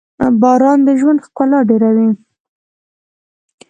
• باران د ژوند ښکلا ډېروي.